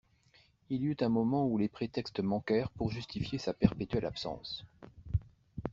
Il y eut un moment où les prétextes manquèrent pour justifier sa perpétuelle absence.